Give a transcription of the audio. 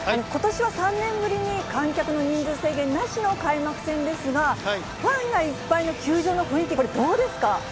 ことしは３年ぶりに観客の人数制限なしの開幕戦ですが、ファンがいっぱいの球場の雰囲気、これ、どうですか？